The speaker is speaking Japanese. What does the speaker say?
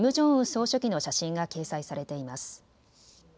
総書記の写真が掲載されています。